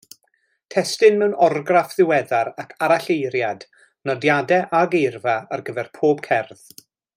Testun mewn orgraff ddiweddar ac aralleiriad, nodiadau a geirfa ar gyfer pob cerdd.